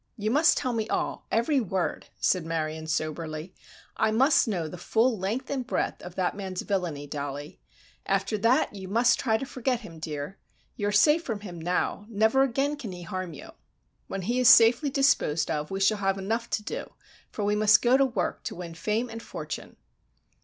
"You must tell me all, every word," said Marion soberly. "I must know the full length and breadth of that man's villainy, Dollie. After that you must try to forget him, dear! You are safe from him, now—never again can he harm you! When he is safely disposed of we shall have enough to do, for we must go to work to win fame and fortune."